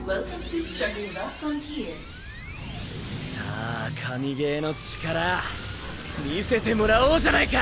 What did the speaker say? さあ神ゲーの力見せてもらおうじゃないか！